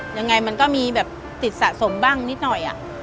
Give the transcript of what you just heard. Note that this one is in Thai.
ยังไงมันก็มีแบบติดสะสมบ้างนิดหน่อย